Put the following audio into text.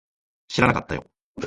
知らなかったよ